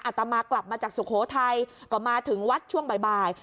ตมากลับมาจากสุโขทัยก็มาถึงวัดช่วงบ่าย